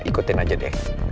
ikutin aja deh